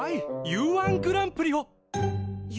Ｕ−１グランプリ？